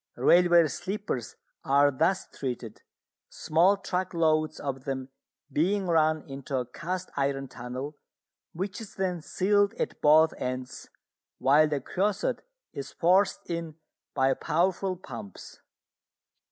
Railway sleepers are thus treated, small truck loads of them being run into a cast iron tunnel which is then sealed at both ends, while the creosote is forced in by powerful pumps.